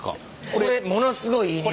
これものすごいいい匂いする！